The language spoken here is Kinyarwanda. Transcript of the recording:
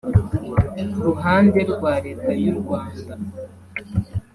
Ku ruhande rwa Leta y’u Rwanda